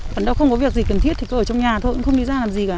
còn đâu có việc gì cần thiết thì cứ ở trong nhà